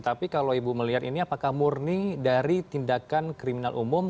tapi kalau ibu melihat ini apakah murni dari tindakan kriminal umum